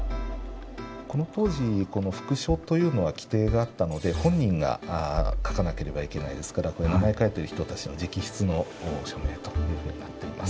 この当時副署というのは規定があったので本人が書かなければいけないですからこれ名前書いてる人たちの直筆の署名というふうになっています。